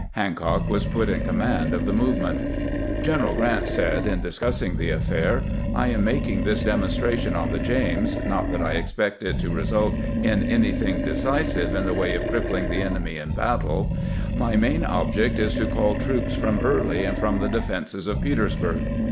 Hancock was put in com mand of the movement. Greneral Grrant said, in discussing the affair :" I am making this demonstration on the James, not that I ex pect it to result in anything decisive in the way of crip pling the enemy in battle; my main object is to call troops from Early and from the defenses of Petersburg.